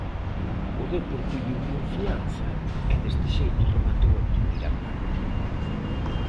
O Depor colleu confianza e deste xeito rematou a primeira parte.